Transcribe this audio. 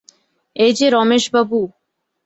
এ যে রমেশবাবু!